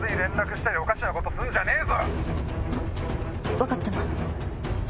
分かってます。